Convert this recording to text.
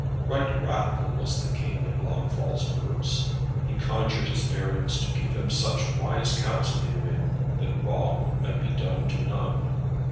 Right wrathful was the King at Launfal's words. He conjured his barons to give him such wise counsel herein, that wrong might be done to none.